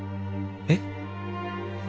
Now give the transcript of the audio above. えっ？